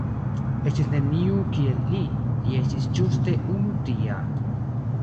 Estis neniu kiel li, li estis ĝuste unu tia".